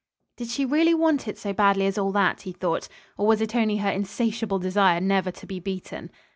"Did she really want it so badly as all that?" he thought, "or was it only her insatiable desire never to be beaten?"